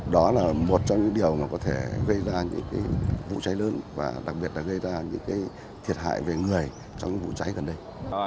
đó là một trong những điều mà có thể gây ra những vụ cháy lớn và đặc biệt là gây ra những thiệt hại về người trong vụ cháy gần đây